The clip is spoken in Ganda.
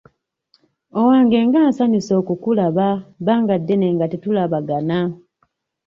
Owange nga nsanyuse okukulaba bbanga ddene nga tetulabagana.